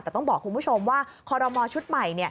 แต่ต้องบอกคุณผู้ชมว่าคอรมอชุดใหม่